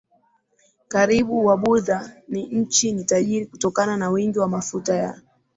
karibu Wabuddha ni Nchi ni tajiri kutokana na wingi wa mafuta ya